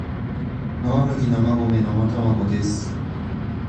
生麦生米生卵です